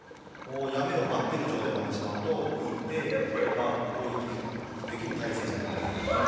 止めを待っている状態になってしまうと浮いて攻撃できる体勢じゃなくなると。